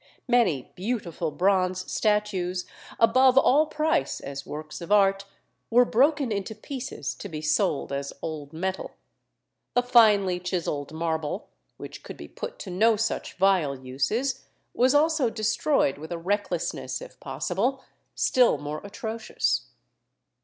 Many beautiful bronze statues, above all price as works of art, were broken into pieces to be sold as old metal. The finely chiselled marble, which could be put to no such vile uses, was also destroyed with a recklessness, if possible, still more atrocious.